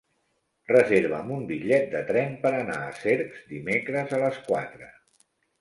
Reserva'm un bitllet de tren per anar a Cercs dimecres a les quatre.